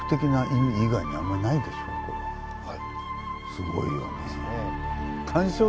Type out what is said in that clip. すごいよね。